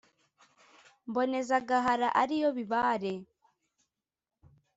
Mboneza Gahara ari yo Bibare